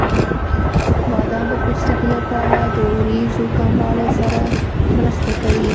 بادام د پوستکي لپاره د وریځو کموالي سره مرسته کوي.